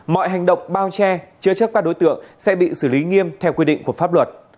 mọi hành động bao che chứa chấp các đối tượng sẽ bị xử lý nghiêm theo quy định của pháp luật